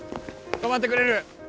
止まってくれる？